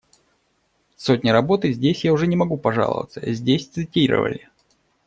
Сотни работ, и здесь я уже не могу пожаловаться, здесь цитировали.